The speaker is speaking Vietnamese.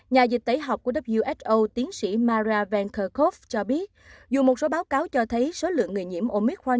tổ chức y tế thế giới who tiến sĩ mara van kerkhove cho biết dù một số báo cáo cho thấy số lượng người nhiễm omicron